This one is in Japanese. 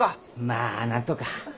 まあなんとか。